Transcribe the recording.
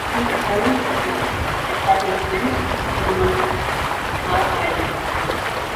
He established the firm Etablissements Aeronautiques R. Adam.